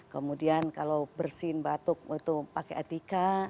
kemudian kalau bersihin batuk itu pakai etika